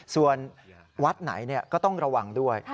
ส่วนวัดไหนก็ต้องระวังด้วย